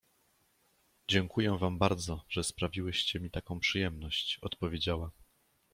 — Dziękuję wam bardzo, że sprawiłyście mi taką przyjemność! — odpowiedziała.